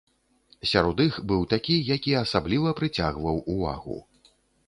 Сярод іх быў такі, які асабліва прыцягваў увагу.